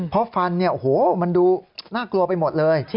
เพราะฟันเนี่ยโอ้โหมันดูน่ากลัวไปหมดเลย